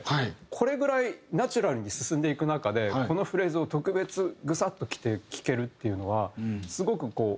これぐらいナチュラルに進んでいく中でこのフレーズを特別グサッときて聴けるっていうのはすごくこう。